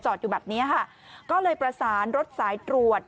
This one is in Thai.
อยู่แบบเนี้ยค่ะก็เลยประสานรถสายตรวจ